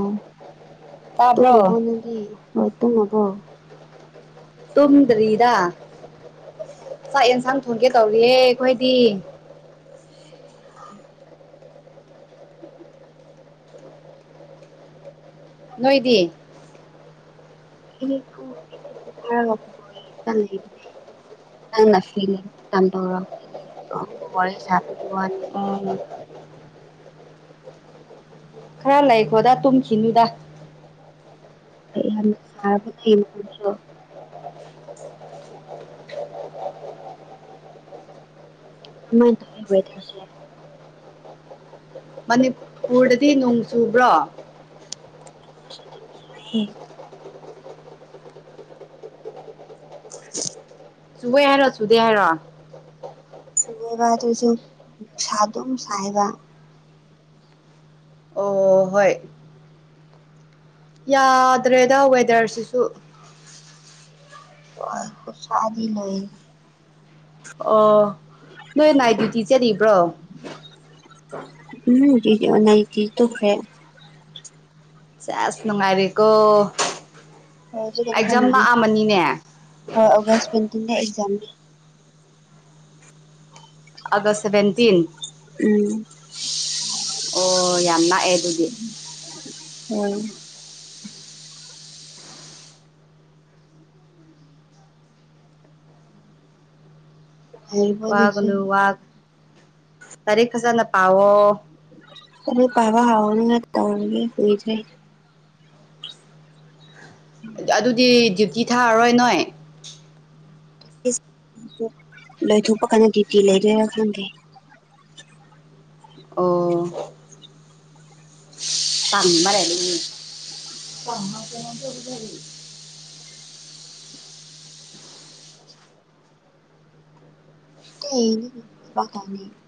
ꯎꯝ ꯇꯨꯝꯃꯕꯣ ꯇꯥꯕ꯭ꯔꯣ ꯅꯪꯗꯤ ꯍꯣꯏ ꯇꯨꯝꯃꯕꯣ ꯇꯨꯝꯗ꯭ꯔꯤꯗ ꯆꯥꯛ ꯌꯦꯟꯁꯥꯡ ꯊꯣꯡꯒꯦ ꯇꯧꯔꯤꯌꯦ ꯑꯩꯈꯣꯏꯗꯤ ꯅꯣꯏꯗꯤ [unintelligible] ꯍꯧꯖꯤꯛꯇꯤ ꯄꯣꯊꯔꯒ ꯐꯨꯠꯕꯣꯜ ꯌꯦꯡꯉꯥꯒ ꯂꯩꯕꯅꯦ ꯅꯪꯅ ꯐꯤ ꯂꯩꯕ ꯃꯇꯝ ꯇꯧꯔꯄ ꯌꯦꯕꯗꯣ ꯍꯪꯕ ꯋꯥꯔꯤ ꯁꯥꯕꯒꯤ ꯋꯥꯅꯦ ꯑꯣ ꯈꯔ ꯂꯩꯈꯣꯗ ꯇꯨꯝꯈꯤꯅꯨꯗ ꯑꯩ ꯌꯥꯝꯅ ꯁꯥꯕ ꯂꯩ ꯃꯐꯝꯁꯨ ꯀꯃꯥꯏꯟ ꯇꯧꯅꯤ ꯑꯣꯏ ꯋꯦꯊꯔꯁꯦ ꯃꯅꯤꯄꯨꯔꯗꯗꯤ ꯅꯣꯡ ꯆꯨꯕ꯭ꯔꯣ [unintelligible] [unintelligible] ꯆꯨꯋꯦ ꯍꯥꯏꯔꯣ ꯆꯨꯗꯦ ꯍꯥꯏꯔꯣ ꯆꯨꯋꯦꯕ ꯑꯗꯨꯁꯨ ꯅꯨꯡꯁꯥ ꯑꯗꯨꯝ ꯁꯥꯏꯕ ꯑꯣ ꯍꯣꯏ ꯌꯥꯗ꯭ꯔꯦꯗ ꯋꯦꯗꯔꯁꯤꯁꯨ ꯑꯣꯏ ꯈꯨꯁꯥꯗꯤ ꯂꯣꯏꯌꯦ ꯑꯣ ꯅꯣꯏ ꯅꯥꯏ ꯗ꯭ꯌꯨꯇꯤ ꯆꯠꯔꯤꯕ꯭ꯔꯣ ꯎꯝ ꯅꯨꯡꯇꯤꯒꯤ ꯅꯥꯏꯗꯤ ꯇꯣꯈ꯭ꯔꯦ ꯁꯦꯁ ꯅꯨꯡꯉꯥꯏꯔꯤꯀꯣ ꯍꯣꯏ ꯍꯧꯖꯤꯛꯀꯗꯤ ꯈꯔ ꯑꯦꯛꯖꯥꯝ ꯅꯥꯛꯑꯝꯃꯅꯤꯅꯦ [unintelligible] ꯗꯥ ꯑꯦꯛꯖꯥꯝ ꯅꯦ ꯑꯥꯒꯁ ꯁꯚꯦꯟꯇꯤꯟ ꯎꯝ ꯑꯣ ꯌꯥꯝ ꯅꯥꯛꯑꯦ ꯑꯗꯨꯗꯤ ꯍꯣꯏ ꯅꯨꯡꯉꯥꯏꯔꯤꯕꯣ ꯅꯪꯁꯨ ꯋꯥꯒꯅꯨ ꯋꯥꯒ ꯂꯥꯔꯤꯛ ꯐꯖꯅ ꯄꯑꯣ [unintelligible] ꯄꯕ ꯍꯥꯥꯎꯅꯤꯅ ꯇꯧꯔꯤꯌꯦ ꯍꯧꯖꯤꯛꯁꯦ ꯑꯗꯨꯗꯤ ꯗ꯭ꯌꯨꯇꯤ ꯊꯥꯔꯔꯣꯏ ꯅꯣꯏ ꯂꯩꯊꯣꯛꯄ ꯀꯥꯟꯅꯗꯦ ꯇꯤ ꯂꯩꯒꯦꯔꯥ ꯈꯪꯗꯦ ꯑꯣ [unintelligible] [unintelligible]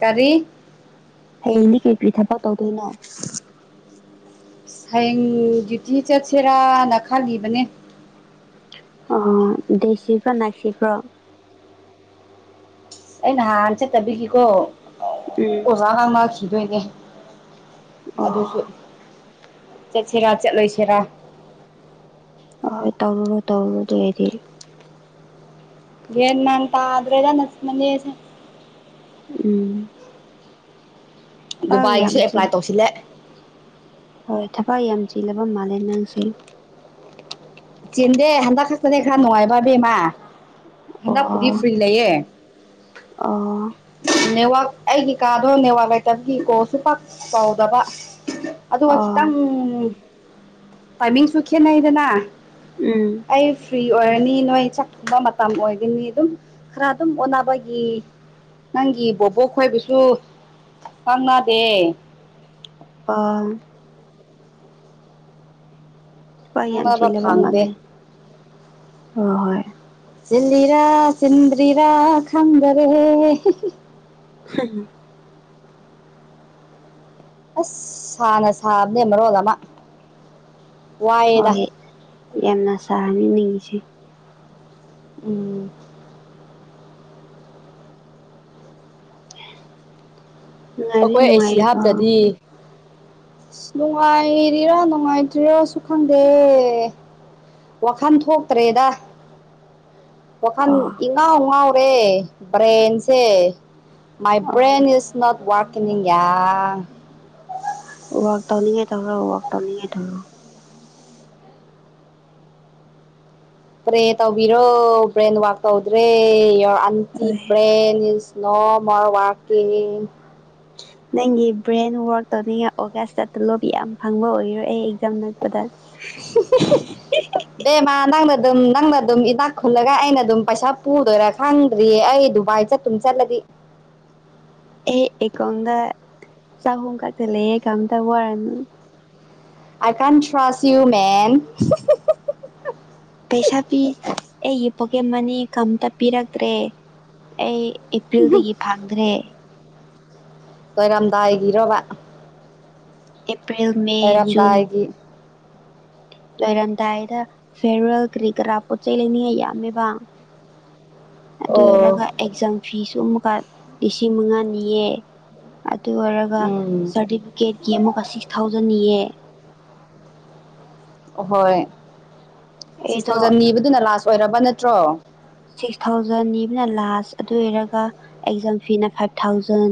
ꯀꯔꯤ ꯍꯌꯦꯡꯗꯤ ꯀꯩ ꯀꯔꯤ ꯊꯕꯛ ꯇꯧꯗꯣꯏꯅꯣ ꯍꯌꯦꯡ ꯗ꯭ꯌꯨꯇꯤ ꯆꯠꯁꯤꯔꯥꯅ ꯈꯜꯂꯤꯕꯅꯦ ꯑꯥ ꯗꯦ ꯁꯤꯞꯀꯥ ꯅꯥꯏꯠ ꯁꯤꯞꯀꯥ ꯑꯩ ꯅꯍꯥꯟ ꯆꯠꯇꯕꯤꯒꯤꯀꯣ ꯎꯝ ꯋꯥ ꯉꯥꯡꯅꯈꯤꯗꯣꯏꯅꯦ ꯑꯗꯨꯁꯨ ꯑꯣ ꯆꯠꯁꯤꯔꯥ ꯆꯠꯂꯣꯏꯁꯤꯔꯥ ꯍꯣꯏ ꯍꯣꯏ ꯇꯧꯔꯨꯔꯣ ꯇꯧꯔꯨꯔꯣ ꯑꯗꯨ ꯑꯣꯏꯗꯤ ꯃꯦꯟ ꯃꯥꯟ ꯇꯥꯗꯨ꯭ꯔꯦꯗ ꯅꯥꯅꯦ ꯁꯤ ꯎꯝ ꯊꯕꯛ ꯌꯥꯝ ꯗꯨꯕꯥꯏꯒꯤꯁꯨ ꯆꯤꯜ ꯑꯦꯄ꯭ꯂꯥꯏ ꯇꯧꯁꯤꯜꯂꯦ ꯍꯣꯏ ꯊꯕꯛ ꯌꯥꯝ ꯆꯤꯜꯂꯕ ꯃꯥꯜꯂꯦ ꯅꯪꯁꯦ ꯆꯦꯟꯗꯦ ꯍꯟꯗ ꯈꯥꯁꯇꯅꯦ ꯈꯔ ꯅꯨꯡꯉꯥꯏꯕꯕꯃ ꯍꯟꯗ ꯐꯨꯗꯤ ꯐꯨꯔꯤ ꯂꯩꯌꯦ ꯑ ꯅꯦꯋꯥꯥꯛ ꯑꯩꯒꯤ ꯀꯥꯗꯣ ꯅꯦꯋꯥꯥꯛ ꯂꯩꯇꯕꯒꯤ ꯀꯣ ꯁꯨ ꯄꯥꯛ ꯀꯥꯎꯗꯕ ꯑꯗꯨꯒ ꯑꯣ ꯈꯤꯇꯪ ꯇꯥꯏꯃꯤꯡꯁꯨ ꯈꯦꯠꯅꯩꯗꯅ ꯎꯝ ꯑꯩ ꯐ꯭ꯔꯤ ꯑꯣꯏꯔꯅꯤ ꯅꯣꯏ ꯆꯠꯕ ꯃꯇꯝ ꯑꯣꯏꯒꯅꯤ ꯑꯗꯨꯝ ꯈꯔ ꯑꯗꯨꯝ ꯑꯣꯅꯕꯒꯤ ꯅꯪꯒꯤ ꯕꯣꯕꯣꯛ ꯈꯣꯏꯕꯨꯁꯨ ꯐꯉꯗꯦ ꯑꯥ [unintelligible] ꯋꯥꯏ ꯌꯥꯝ ꯉꯥꯡꯅꯕ ꯆꯤꯜꯂꯕ ꯐꯪꯗꯦ ꯃꯥꯜꯂꯦ ꯍꯣꯏ ꯍꯣꯏ ꯆꯤꯜꯂꯤꯔꯥ ꯆꯤꯟꯗꯔꯤꯔꯥ ꯈꯪꯗ ꯔꯦ ꯍꯝ [unintelligible] ꯑꯁ ꯁꯥꯅ ꯁꯥꯕꯅꯦ ꯃꯔꯣꯜ ꯑꯃ ꯋꯥꯏꯑꯦꯗ ꯍꯣꯏ ꯌꯥꯝꯅ ꯁꯥꯍꯅꯤꯡ ꯅꯤꯡꯉꯤꯁꯦ ꯎꯝ ꯅꯨꯡꯉꯥꯏꯕꯗꯤ ꯑꯩꯈꯣꯏ ꯑꯦꯁꯤ ꯅꯨꯡꯉꯥꯏꯔꯤꯕꯣ ꯍꯥꯞꯇꯗꯤ ꯑꯁ ꯅꯨꯡꯉꯥꯏꯔꯤꯔꯥ ꯅꯨꯡꯉꯥꯏꯇ꯭ꯔꯤꯔꯥꯁꯨ ꯈꯪꯗꯦ ꯋꯥꯈꯜ ꯊꯣꯛꯇ꯭ꯔꯦꯗ ꯋꯥꯈꯜ ꯑꯣ ꯏꯉꯥꯎ ꯉꯥꯎꯔꯦ ꯕ꯭ꯔꯦꯟꯁꯦ ꯃꯥꯏ ꯑꯣ ꯕ꯭ꯔꯦꯟ ꯏꯁ ꯅꯥꯎꯠ ꯋꯥꯀꯤꯅꯤꯡ ꯌꯥ ꯋꯥꯔꯛ ꯇꯧꯅꯤꯡꯉꯦ ꯇꯧꯔꯣ ꯋꯥꯔꯥꯛ ꯇꯧꯅꯤꯡꯉꯦ ꯇꯧꯔꯣ ꯄ꯭ꯔꯦ ꯇꯧꯕꯤꯔꯣ ꯕ꯭ꯔꯦꯟ ꯋꯥꯔꯛ ꯇꯧꯗ꯭ꯔꯦ your entire brain is no more working ꯅꯪꯒꯤ ꯕ꯭ꯔꯦꯟ ꯋꯥꯔꯛ ꯇꯧꯅꯤꯡꯉ ꯑꯣꯒꯁꯇ ꯇꯂꯣꯞ ꯌꯥꯝ ꯐꯪꯕ ꯑꯣꯏꯔꯣ ꯑꯩ ꯑꯦꯛꯖꯥꯝ ꯅꯛꯄꯗ [unintelligible] ꯕꯦꯝꯃ ꯅꯪꯅ ꯑꯗꯨꯝ ꯅꯪꯅ ꯑꯗꯨꯝ ꯏꯅꯥꯛ ꯈꯨꯜꯂꯒ ꯑꯩꯅ ꯑꯗꯨꯝ ꯄꯩꯁꯥ ꯄꯨꯗꯣꯏꯔꯥ ꯈꯪꯗ꯭ꯔꯤꯌꯦ ꯑꯩ ꯗꯨꯕꯥꯏ ꯆꯠ ꯁꯨꯝ ꯆꯠꯂꯗꯤ ꯑꯩ ꯑꯦꯀꯣꯎꯟꯗ ꯆꯍꯨꯝ ꯈꯛꯇ ꯂꯩꯌꯦ ꯀꯩꯝꯇ ꯋꯥꯔꯨꯅꯨ ꯑꯥꯏ ꯀꯥꯟ ꯊ꯭ꯔꯁ ꯌꯨ ꯃꯦꯟ ꯄꯩꯁꯥ ꯄꯤ ꯑꯩꯒꯤ ꯄꯣꯀꯦꯠ ꯃꯅꯤ ꯀꯝꯇ ꯄꯤꯔꯛꯇ꯭ꯔꯦ ꯑꯩ ꯑꯦꯄ꯭ꯔꯤꯜꯗꯒꯤ ꯐꯡꯗ꯭ꯔꯦ ꯂꯣꯏꯔꯝꯗꯥꯏꯒꯤꯔꯣꯕ ꯑꯦꯄ꯭ꯔꯤꯜ ꯃꯦ ꯖꯨꯟ ꯂꯣꯏꯔꯝꯗꯥꯏꯗ ꯐꯤꯌꯦꯔꯋꯦꯜ ꯀꯔꯤ ꯀꯔꯥ ꯄꯣꯠ ꯆꯩ ꯂꯩꯅꯤꯡꯉꯥꯏ ꯌꯥꯝꯃꯦꯕ ꯑꯗꯨ ꯑꯣꯏꯔꯒ ꯑꯦꯛꯖꯥꯝ ꯐꯤꯁꯨ ꯑꯃꯨꯛꯀ ꯂꯤꯁꯤꯡ ꯃꯉꯥꯅꯤꯌꯦ ꯑꯗꯨ ꯑꯣꯏꯔꯒ ꯁꯥꯔꯇꯤꯐꯤꯀꯦꯠꯀꯤ ꯑꯃꯨꯛꯀ ꯁꯤꯛꯁ ꯊꯥꯎꯖꯟꯅꯤꯌꯦ ꯑꯍꯣꯏ ꯁꯤꯛꯁ ꯑꯩꯗꯣ ꯊꯥꯎꯖꯟ ꯅꯤꯕꯗꯨꯅ ꯂꯥꯁ ꯑꯣꯏꯔꯕ ꯅꯠꯇ꯭ꯔꯣ ꯁꯤꯛꯁ ꯊꯥꯎꯖꯟ ꯅꯤꯕꯅ ꯂꯥꯁ ꯑꯗꯨ ꯑꯣꯏꯔꯒ ꯑꯦꯛꯖꯥꯝ ꯐꯤꯅ ꯐꯥꯏꯚ ꯊꯥꯎꯖꯟ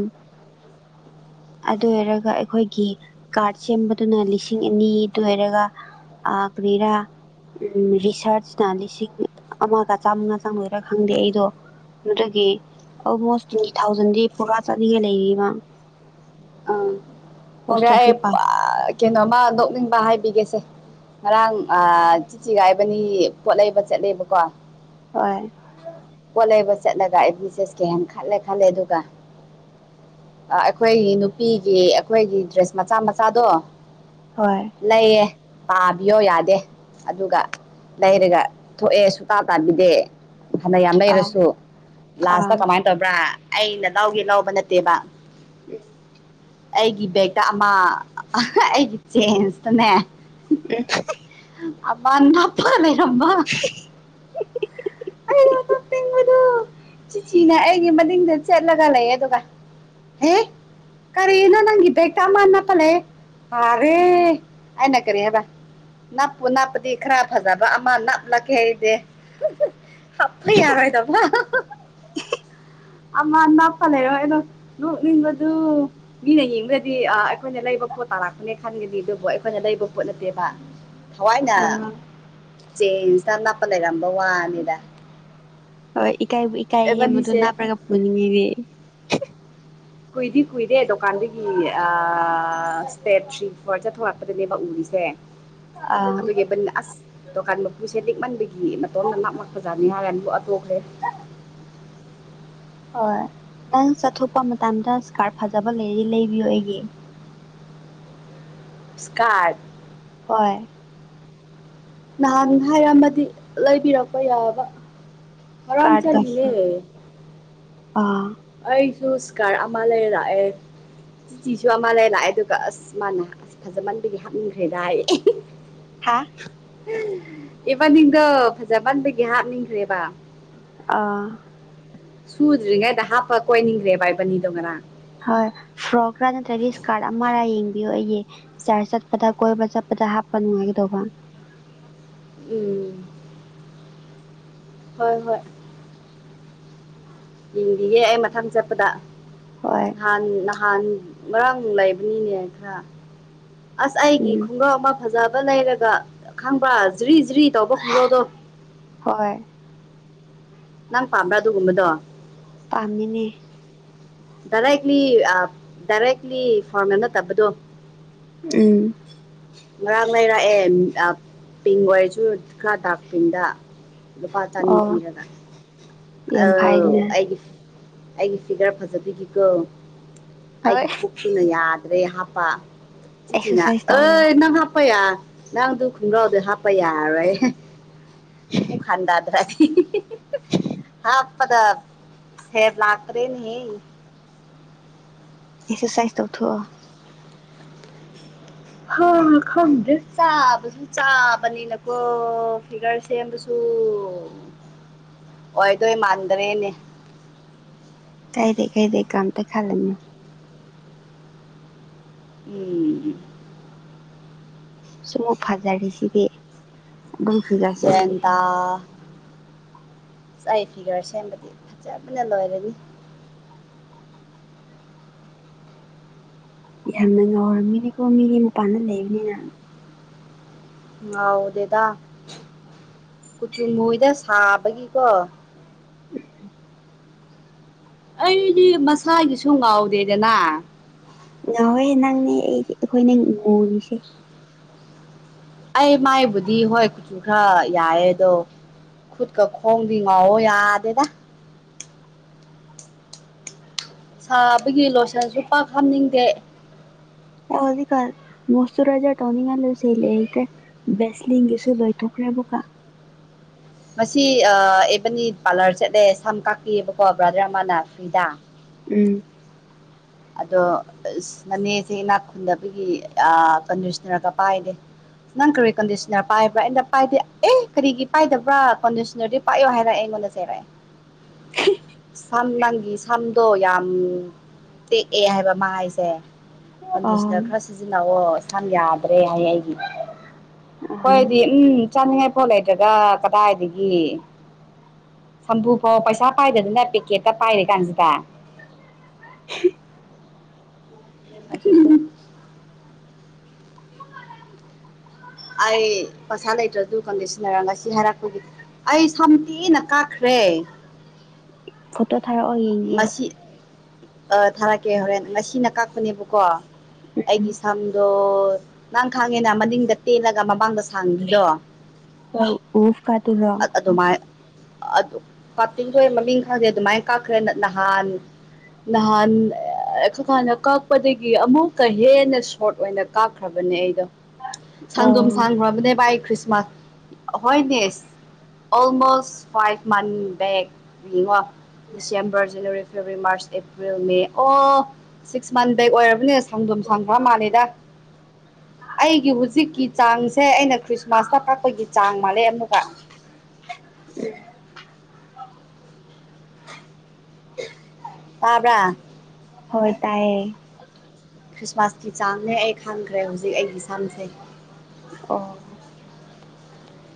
ꯑꯗꯨ ꯑꯣꯏꯔꯒ ꯑꯩꯈꯣꯏꯒꯤ ꯀꯥꯔꯗ ꯁꯦꯝꯕꯗꯨꯅ ꯂꯤꯁꯤꯡ ꯑꯅꯤ ꯑꯗꯨ ꯑꯣꯏꯔꯒ ꯑ ꯀꯔꯤꯔꯥ ꯎꯝ ꯔꯤꯁꯥꯔꯁꯅ ꯂꯤꯁꯤꯡ ꯑꯃꯒ ꯆꯥꯝꯃꯉꯥ ꯆꯥꯝꯃꯣꯏꯔꯥ ꯈꯪꯗꯦ ꯑꯩꯗꯣ ꯑꯗꯨꯗꯒꯤ ꯑꯣꯜꯃꯣꯁ ꯇ꯭ꯋꯦꯟꯇꯤ ꯊꯥꯎꯖꯟꯗꯤ ꯄꯨꯔꯥ ꯆꯠꯂꯤꯉ ꯂꯩꯃ ꯑꯥ ꯑꯣꯗ ꯍꯣꯁꯇꯦꯜ ꯑꯩ ꯐꯤ ꯄꯥ ꯀꯩꯅꯣꯃ ꯅꯣꯛꯅꯤꯡꯕ ꯍꯥꯏꯕꯤꯒꯦꯁꯦ ꯉꯔꯥꯡ ꯆꯤꯆꯤꯒꯥꯏꯕꯅꯤ ꯄꯣꯠ ꯂꯩꯕ ꯆꯠꯂꯦꯕꯀꯣ ꯍꯣꯏ ꯄꯣꯠ ꯂꯩꯕ ꯆꯠꯂꯒ ꯑꯦꯕꯤꯁꯦꯁ ꯀ ꯍ ꯈꯜꯂꯦ ꯈꯜꯂꯦ ꯑꯗꯨꯒ ꯑꯩꯈꯣꯏꯒꯤ ꯅꯨꯄꯤꯒꯤ ꯑꯩꯈꯣꯏꯒꯤ ꯗ꯭ꯔꯦꯁ ꯃꯆꯥ ꯃꯆꯥꯗꯣ ꯍꯣꯏ ꯂꯩꯌꯦ ꯄꯥꯕꯤꯌꯣ ꯌꯥꯗꯦ ꯑꯗꯨꯒ ꯂꯩꯔꯒ ꯊꯣꯛꯑꯦ ꯁꯨꯄꯥ ꯄꯥꯕꯤꯗꯦ ꯐꯥꯅ ꯌꯥꯝ ꯑꯥ ꯂꯩꯔꯁꯨ ꯑꯥ ꯂꯥꯁꯇ ꯀꯃꯥꯏꯅ ꯇꯧꯕ꯭ꯔꯥ ꯑꯩꯅ ꯂꯧꯒꯦ ꯂꯧꯕ ꯅꯠꯇꯦꯕ ꯎꯝ ꯑꯩꯒꯤ ꯕꯦꯛꯇ ꯑꯃ ꯑꯩꯒꯤ ꯆꯦꯟꯁꯇꯅꯦ ꯎ [unintelligible] ꯑꯄꯥꯟ ꯊꯣꯄ ꯂꯩꯔꯝꯕ ꯇꯤꯡꯕꯗꯨ ꯆꯤꯆꯤꯅ ꯑꯩꯒꯤ ꯃꯅꯤꯡꯗ ꯆꯠꯂꯒ ꯂꯩꯌꯦ ꯑꯗꯨꯒ ꯍꯦ [unintelligible] ꯀꯔꯤꯅꯣ ꯅꯪꯒꯤ ꯕꯦꯛꯇ ꯑꯃꯥ ꯅꯞꯄ ꯂꯩꯔꯦ ꯃꯥꯔꯦ ꯑꯩꯅ ꯀꯔꯤ ꯍꯥꯏꯕ ꯅꯞꯄꯨ ꯅꯞꯄꯗꯤ ꯈꯔꯥ ꯐꯖꯕ ꯑꯃ ꯅꯞꯂꯛꯈꯦ ꯍꯥꯏꯗꯦ ꯐ ꯌꯥꯔ ꯑꯣꯏꯗꯕ ꯑꯃꯅ ꯐꯂꯦ ꯑꯣꯏꯅ [unintelligible] ꯅꯣꯛꯅꯤꯡꯕꯗꯨ ꯃꯤꯅ ꯌꯦꯡꯕꯗꯗꯤ ꯑ ꯑꯩꯈꯣꯏꯅ ꯂꯩꯕ ꯄꯣꯠ ꯇꯥꯔꯛꯄꯅꯦ ꯈꯟꯒꯅꯤ ꯑꯗꯨꯕꯨ ꯑꯩꯈꯣꯏꯅ ꯂꯩꯕ ꯄꯣꯠ ꯅꯠꯇꯦꯕ ꯍ ꯊꯋꯥꯏꯅ ꯆꯦꯟꯁꯤꯇ ꯅꯅꯥꯞꯄ ꯂꯩꯔꯝꯕ ꯋꯥꯅꯤꯗ ꯍꯣꯏ ꯏꯀꯥꯏ ꯏꯀꯥꯏ ꯍꯦꯕꯗꯨ ꯏꯕꯥꯅꯤꯁꯦ ꯅꯥꯞꯄ꯭ꯔꯒ ꯄꯨꯅꯤꯡꯉꯤꯗꯤ ꯀꯨꯏꯗꯤ ꯀꯨꯏꯗꯦ ꯗꯨꯀꯥꯟꯗꯒꯤ ꯑ ꯁ꯭ꯇꯦꯠ ꯊ꯭ꯔꯤ ꯐ꯭ꯂꯣꯔ ꯆꯠꯊꯣꯔꯛꯄꯗꯅꯦꯕ ꯎꯔꯤꯁꯦ ꯎꯝ ꯑꯗꯨꯒꯤꯕꯅꯤ ꯑꯁ ꯗꯨꯀꯥꯟ ꯃꯄꯨꯁꯦ ꯂꯤꯛꯃꯟꯕꯒꯤ ꯃꯇꯣꯝꯅ ꯉꯥꯛ ꯉꯛꯄꯖꯥꯠꯅꯤ ꯍꯥꯏꯔꯥꯟꯕꯨ ꯍꯥꯊꯣꯛꯈ꯭ꯔꯦ ꯍꯣꯏ ꯅꯪ ꯆꯠꯊꯣꯛꯄ ꯃꯇꯝꯗ ꯏꯁꯀꯥꯔ ꯐꯖꯕ ꯂꯩꯔꯤ ꯂꯩꯕꯤꯌꯣ ꯑꯩꯒꯤ ꯁꯀꯥꯔꯠ ꯍꯣꯏ ꯅꯍꯥꯟ ꯍꯥꯏꯔꯝꯃꯗꯤ ꯂꯩꯕꯤꯔꯝꯕ ꯌꯥꯕ ꯉꯔꯥꯡ ꯀꯥꯗꯁꯨ ꯆꯠꯂꯤꯅꯦ ꯑꯥ ꯑꯩꯁꯨ ꯁꯀꯥꯔ ꯑꯃ ꯂꯩꯔ ꯂꯛꯑꯦ ꯆꯤꯁꯨ ꯑꯃ ꯂꯩ ꯂꯥꯛꯑꯦ ꯑꯗꯨꯒ ꯑꯁ ꯃꯥꯅ ꯑꯁ ꯐꯖꯃꯟꯕꯒꯤ ꯍꯥꯞꯅꯤꯡꯟꯗ꯭ꯔꯦꯗ ꯍꯥꯏꯌꯦ ꯍꯥꯥ ꯏꯕꯥꯅꯤꯡꯗꯣ ꯐꯖ ꯃꯟꯕꯒꯤ ꯍꯥꯞꯅꯤꯡꯗ꯭ꯔꯦꯕ ꯑꯥ ꯁꯨꯗ꯭ꯔꯤꯉꯩꯗ ꯍꯥꯞꯄ ꯀꯣꯏꯅꯤꯡꯗ꯭ꯔꯦ ꯕꯥꯏꯕꯅꯤꯗꯣ ꯉꯔꯥꯡ ꯍꯣꯏ ꯐ꯭ꯔꯣꯛꯔꯥ ꯅꯠꯇ꯭ꯔꯗꯤ ꯏꯁꯀꯥꯔꯠ ꯑꯃꯔꯥ ꯌꯦꯡꯕꯤꯌꯣ ꯑꯩꯒꯤ ꯆꯔ ꯆꯠꯄꯗ ꯀꯣꯏꯕ ꯆꯠꯄꯗ ꯍꯥꯞꯄ ꯅꯨꯡꯉꯥꯏꯒꯗꯧꯕ ꯎꯝ ꯍꯣꯏ ꯍꯣꯏ ꯏꯤꯡꯕꯤꯒꯦ ꯑꯩ ꯃꯊꯪ ꯆꯠꯄꯗ ꯍꯣꯏ ꯅꯍꯥꯟ ꯅꯍꯥꯟ ꯃꯔꯥꯡ ꯂꯩꯕꯅꯤꯅꯦ ꯈꯔ ꯑꯁ ꯑꯩꯒꯤ ꯎꯝ ꯈꯨꯡꯒ꯭ꯔꯥꯎ ꯑꯃ ꯐꯖꯕ ꯂꯩꯔꯒ ꯈꯪꯕ꯭ꯔꯥ ꯖ꯭ꯔꯤ ꯖ꯭ꯔꯤ ꯇꯧꯕ ꯈꯨꯡꯒ꯭ꯔꯥꯎꯗꯣ ꯍꯣꯏ ꯅꯪ ꯄꯥꯝꯕ꯭ꯔꯥ ꯑꯗꯨꯒꯨꯝꯕꯗꯣ ꯄꯥꯝꯃꯤꯅꯦ ꯗꯏꯔꯦꯛꯂꯤ ꯑ ꯗꯏꯔꯂꯤ ꯐꯔꯃꯦꯟ ꯑꯦꯅꯠꯇꯕꯗꯣ ꯎꯝ ꯉꯔꯥꯡ ꯂꯩꯔꯛꯑꯦ ꯄꯤꯡ ꯑꯣꯏꯔꯁꯨ ꯈꯔ ꯗꯥꯛ ꯄꯤꯡꯗ ꯂꯨꯄꯥ ꯆꯅꯤ ꯑꯣ ꯄꯤꯔꯒ ꯌꯥꯝ ꯐꯩꯅꯦ ꯑꯧ ꯑꯩꯒꯤ ꯑꯩꯒꯤ ꯐꯤꯒꯔ ꯐꯖꯕꯤꯒꯤꯀꯣ ꯍꯣꯏ ꯑꯩꯒꯤ ꯄꯨꯛꯇꯨꯅ ꯌꯥꯗ꯭ꯔꯦ ꯍꯥꯞꯄ ꯆꯤꯊꯤꯅ ꯑꯦꯛꯁꯔꯁꯥꯏꯁ ꯇꯧꯔꯣ ꯑꯦ ꯅꯪ ꯍꯥꯞꯄꯌꯥ ꯅꯪꯗꯨ ꯈꯣꯡꯒ꯭ꯔꯥꯎꯗ ꯍꯥꯞꯄ ꯌꯥꯔꯣꯏ ꯄꯨꯛ ꯍꯟꯗꯗ꯭ꯔꯗꯤ ꯍꯥꯞꯄꯗ ꯁꯦꯞ ꯂꯥꯛꯇ꯭ꯔꯦꯅꯦꯍꯦ ꯑꯦꯛꯁꯔꯁꯥꯏꯁ ꯇꯧ ꯊꯣꯛꯑꯣ ꯍꯥ ꯈꯪꯗꯦ ꯆꯥꯕꯁꯨ ꯆꯥꯕꯅꯤꯅꯀꯣ ꯐꯤꯒꯔ ꯁꯦꯝꯕꯁꯨ ꯑꯣꯏꯗꯣ ꯃꯥꯟꯗ꯭ꯔꯦꯅꯦ ꯀꯥꯏꯗꯦ ꯀꯩꯥꯏꯗꯦ ꯀꯩꯝꯗ ꯈꯟꯂꯨꯅꯨ ꯎꯝ ꯁꯨꯝꯃꯨꯛ ꯐꯖꯥꯔꯤꯁꯤꯗꯤ ꯒ꯭ꯌꯥꯟ ꯇꯥ ꯑꯁ ꯐꯤꯒꯔ ꯁꯦꯝꯕꯗꯤ ꯐꯖꯕꯅ ꯂꯣꯏꯔꯅꯤ ꯌꯥꯝꯅ ꯉꯥꯎꯔꯝꯃꯤꯅꯤꯀꯣ ꯃꯤꯗꯤ ꯃꯄꯥꯟꯗ ꯂꯩꯕꯅꯤꯅ ꯉꯥꯎꯗꯦꯗꯥ ꯀꯨꯆꯨ ꯃꯨꯏꯗ ꯁꯥꯕꯒꯤꯀꯣ ꯑꯩꯗꯤ ꯃꯁꯥꯒꯤꯁꯨ ꯉꯥꯎꯗꯦꯗꯅ ꯉꯧꯑꯦ ꯅꯪꯗꯤ ꯑꯩꯗꯤ ꯑꯩꯈꯣꯏꯅꯦ ꯃꯨꯔꯤꯁꯦ ꯑꯩ ꯃꯥꯏꯕꯨꯗꯤ ꯍꯣꯏ ꯀꯨꯆꯨ ꯈꯔ ꯌꯥꯑꯦ ꯑꯗꯣ ꯈꯨꯠꯀ ꯈꯣꯡꯗꯤ ꯉꯥꯎꯑꯣ ꯌꯥꯗꯦꯗ ꯁꯥꯕꯒꯤ ꯂꯣꯁꯟꯁꯨ ꯄꯥꯛ ꯍꯥꯞꯅꯤꯡꯗꯦ ꯑꯣ ꯍꯧꯖꯤꯛꯀꯥꯟ ꯃꯣꯏꯁꯨꯔꯥꯏꯖꯔ ꯇꯧꯅꯤꯉꯥꯏ ꯁꯨ ꯂꯩꯇꯦ ꯚꯦꯁꯤꯂꯤꯟꯒꯤꯁꯨ ꯂꯣꯏꯊꯣꯛꯈ꯭ꯔꯦ ꯑꯃꯨꯛꯀꯥ ꯉꯁꯤ ꯑ ꯏꯕꯥꯅꯤ ꯄꯥꯔꯂꯔ ꯆꯠꯂꯦ ꯁꯝ ꯀꯥꯄꯤꯌꯦꯕꯀꯣ ꯕ꯭ꯔꯥꯗꯔ ꯑꯃꯅ ꯐ꯭ꯔꯤꯗꯥ ꯎꯝ ꯑꯗꯣ ꯑꯁ ꯃꯅꯦꯁꯦ ꯏꯅꯥꯛ ꯈꯨꯟꯗꯕꯒꯤ ꯑ ꯀꯟꯗꯤꯁꯅꯔꯒ ꯄꯥꯏꯗꯦ ꯅꯪ ꯀꯔꯤ ꯀꯟꯗꯤꯁꯅꯔ ꯄꯥꯏꯕ꯭ꯔꯥ ꯑꯩꯅ ꯄꯥꯏꯗꯦ ꯑꯦ ꯀꯔꯤꯒꯤ ꯄꯥꯏꯗꯕ꯭ꯔꯥ ꯀꯟꯗꯤꯁꯅꯔꯗꯤ ꯄꯥꯏꯌꯣ ꯍꯥꯏꯔ ꯑꯩꯉꯣꯟꯗ ꯆꯩꯔꯛꯑꯦ [inaudible] ꯁꯝ ꯅꯪꯒꯤ ꯁꯝꯗꯣ ꯌꯥꯝ ꯇꯦꯛꯑꯦ ꯍꯥꯏꯕ ꯃꯥ ꯍꯥꯏꯁꯦ ꯑꯥ ꯀꯟꯗꯤꯁꯅꯔ ꯈꯔ ꯁꯤꯖꯤꯟꯅꯑꯣ ꯁꯝ ꯌꯥꯗ꯭ꯔꯦ ꯍꯥꯏ ꯑꯩꯒꯤ ꯑꯥ ꯈꯣꯏꯗꯤ ꯎꯝ ꯆꯥꯅꯤꯡꯉꯥꯏ ꯄꯥꯎꯠ ꯂꯩꯇ꯭ꯔꯒ ꯀꯗꯥꯏꯗꯒꯤ ꯁꯝꯄꯨꯐꯥꯎ ꯄꯩꯁꯥ ꯄꯥꯏꯗꯗꯅ ꯄꯦꯀꯦꯠꯇ ꯄꯥꯏꯔꯤ ꯀꯥꯟꯁꯤꯗ [unintelligible] ꯑꯩ ꯄꯩꯁꯥ ꯂꯩꯇ꯭ꯔꯁꯨ ꯀꯟꯗꯤꯁꯤꯟꯅꯔꯒ ꯉꯁꯤ ꯍꯥꯏꯔꯛꯄꯒꯤ ꯑꯩ ꯁꯝꯇꯦꯟꯅ ꯀꯛꯈ꯭ꯔꯦ ꯐꯣꯇꯣ ꯊꯥꯔꯛꯑꯣ ꯌꯦꯡ ꯉꯁꯤ ꯑ ꯊꯥꯔꯛꯀꯦ ꯍꯣꯔꯦꯟ ꯉꯁꯤꯅ ꯀꯥꯛꯄꯅꯦꯕꯀꯣ ꯑꯩꯒꯤ ꯎꯝ ꯁꯝꯗꯣ ꯅꯪ ꯈꯥꯡꯉꯦꯅ ꯃꯅꯤꯡꯗ ꯇꯦꯜꯂꯒ ꯃꯃꯥꯡꯗ ꯁꯥꯡꯕꯤꯗꯣ [unintelligible] ꯑꯗꯨꯃꯥꯏ ꯑꯗꯨ ꯀꯥꯇꯤꯡꯈꯣꯏ ꯃꯃꯤꯡ ꯈꯪꯗꯦ ꯑꯗꯨꯃꯥꯏꯅ ꯀꯥꯛꯈ꯭ꯔꯦ ꯅꯍꯥꯟ ꯅꯍꯥꯟ [unintelligible] ꯀꯥꯛꯗꯒꯤ ꯑꯃꯨꯛꯀ ꯍꯦꯟꯅ ꯁꯣꯔꯠ ꯑꯣꯏꯅ ꯀꯥꯈ꯭ꯔꯕꯅꯦ ꯑꯩꯗꯣ ꯁꯪꯗꯣꯝ ꯑꯣ ꯁꯥꯡꯈ꯭ꯔꯕꯅꯦ ꯚꯥꯏ ꯈ꯭ꯔꯤꯁꯃꯥꯁ ꯍꯣꯏꯅꯦꯁ almost five month back December January February March April May ꯑꯣ ꯁꯤꯛꯁ ꯃꯟ ꯕꯦꯛ ꯑꯣꯏꯔꯕꯅꯦ ꯁꯪꯗꯣꯝ ꯁꯥꯡ ꯈꯔ ꯃꯥꯜꯂꯦꯗ ꯑꯩꯒꯤ ꯍꯨꯖꯤꯛꯀꯤ ꯆꯥꯡꯁꯦ ꯑꯩꯅ ꯈ꯭ꯔꯤꯁꯃꯥꯁꯇ ꯀꯥꯛꯄꯒꯤ ꯆꯥꯡ ꯃꯥꯜꯂꯦ ꯑꯃꯨꯛꯀ ꯇꯥꯕ꯭ꯔ ꯍꯣꯏ ꯇꯥꯏꯌꯦ ꯈ꯭ꯔꯤꯁꯃꯥꯁꯀꯤ ꯆꯥꯡꯅꯦ ꯑꯩ ꯈꯪꯈ꯭ꯔꯦ ꯍꯧꯖꯤꯛ ꯑꯩꯒꯤ ꯁꯝꯁꯦ ꯑꯣ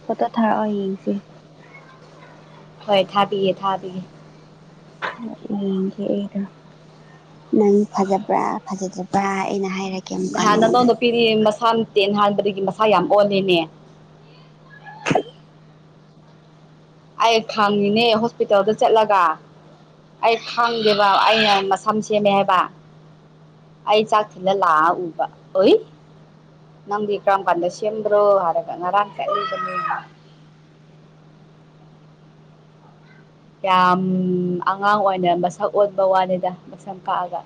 ꯄꯠꯇꯣ ꯊꯥꯔꯛꯑꯣ ꯌꯦꯡꯁꯦ ꯍꯣꯏ ꯊꯥꯕꯤꯌꯦ ꯊꯥꯕꯤꯌꯦ ꯌꯦꯡꯒꯦ ꯑꯩꯗꯣ ꯅꯪ ꯐꯖꯕ꯭ꯔꯥ ꯐꯖꯗꯕ꯭ꯔꯥ ꯑꯩꯅ ꯍꯥꯏꯔꯒꯦ ꯅꯍꯥꯟ ꯅꯪꯗ ꯄꯤꯔꯤ ꯃꯁꯥ ꯇꯦꯟ ꯍꯥꯟꯕꯗꯒꯤ ꯃꯁꯥ ꯌꯥꯝ ꯑꯣꯂꯦꯅꯦ ꯑꯩ ꯈꯥꯡꯉꯤꯅꯦ ꯍꯣꯁꯄꯤꯇꯥꯜꯗ ꯆꯠꯂꯒ ꯑꯩ ꯈꯥꯡꯗꯦꯕ ꯑꯩꯅ ꯃꯁꯝ ꯁꯦꯝꯃꯦ ꯍꯥꯏꯕ ꯑꯩ ꯆꯥꯛ ꯊꯂ ꯂꯥ ꯎꯕ ꯑꯣꯏ ꯅꯝꯕ ꯀꯝꯄꯥꯟꯗ ꯁꯤꯕ꯭ꯔꯣ ꯍꯥꯏꯔꯒ ꯑꯔꯥꯡꯝ ꯀꯥꯏ ꯌꯥꯝ ꯑꯉꯥꯡ ꯑꯣꯏꯅ ꯃꯁꯛ ꯑꯣꯟꯕ ꯋꯥꯅꯤꯗ ꯃꯁꯛ ꯀꯛꯑꯒ